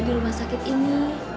di rumah sakit ini